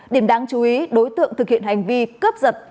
điểm đáng chú ý đối tượng thực hiện hành vi cướp giật